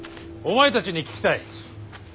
お前たちに聞きたい。